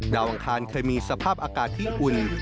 อังคารเคยมีสภาพอากาศที่อุ่น